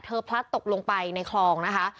พลัดตกลงไปในคลองนะคะ